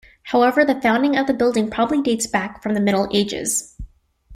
However the founding of the building probably dates back from the Middle Ages.